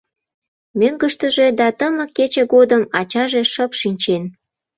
Мӧҥгыштыжӧ да тымык кече годым ачаже шып шинчен.